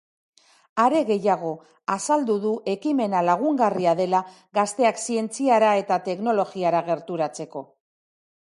Are gehiago, azaldu du ekimena lagungarria dela gazteak zientziara eta teknologiara gerturatzeko.